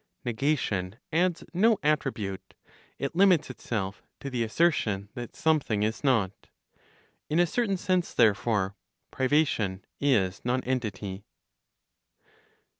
Negation adds no attribute; it limits itself to the assertion that something is not. In a certain sense, therefore, privation is nonentity.